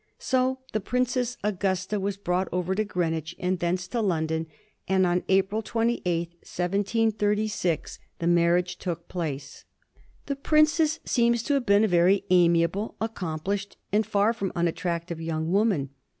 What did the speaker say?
So the Princess Augusta was brought over to Greenwich, and thence to London, and on April 28, 1736, the marriage took placer The princess seems to have been a very amiable, accomplished, and far from unattractive young woman.